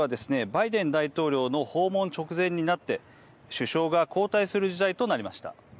バイデン大統領の訪問直前になって首相が交代する事態となりました。